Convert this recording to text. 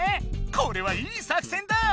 これはいい作戦だ！